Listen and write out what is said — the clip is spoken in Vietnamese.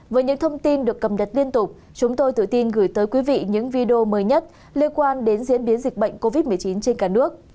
với những thông tin được cầm đặt liên tục chúng tôi tự tin gửi tới quý vị những video mới nhất liên quan đến diễn biến dịch bệnh covid một mươi chín trên cả nước